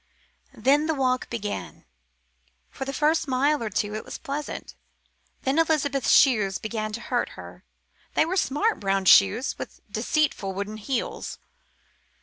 Then the walk began. For the first mile or two it was pleasant. Then Elizabeth's shoes began to hurt her. They were smart brown shoes, with deceitful wooden heels.